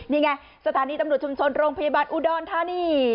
นี่ไงสถานีตำรวจชุมชนโรงพยาบาลอุดรธานี